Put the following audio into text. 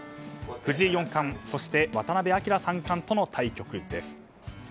藤井四冠、そして渡辺明三冠その対局です。